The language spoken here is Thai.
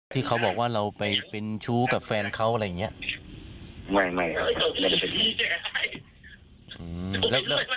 ที่เขาบอกว่าเราไปเป็นชู้กับแฟนเขาอะไรอย่างนี้